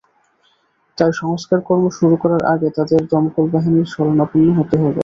তাই সংস্কারকর্ম শুরু করার আগে তাঁদের দমকল বাহিনীর শরণাপন্ন হতে হলো।